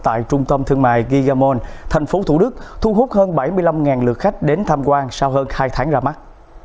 tại trung tâm thương mại gigamon thành phố thủ đức thu hút hơn bảy mươi năm lượt khách đến tham quan sau hơn hai tháng ra mắt